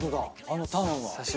あのターンは。